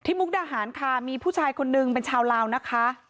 มุกดาหารค่ะมีผู้ชายคนนึงเป็นชาวลาวนะคะ